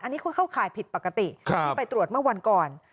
อันนี้ก็เข้าข่ายผิดปกติที่ไปตรวจเมื่อวันก่อน